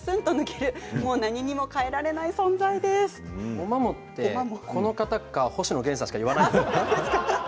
おマモって、この方か星野源さんしか言わないですよ。